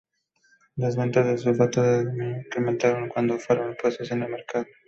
Las ventas del sulfato de amonio se incrementaron cuando fueron puestas en el mercado.